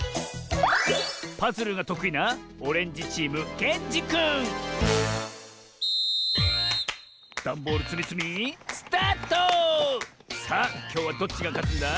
パズルがとくいなダンボールつみつみさあきょうはどっちがかつんだ？